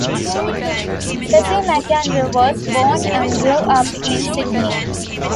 Jessie McAndrew was born and grew up in Sydney.